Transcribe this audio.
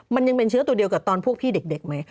มันยังเป็นเชื้อตัวเดียวกับตอนพวกพี่เด็กไหม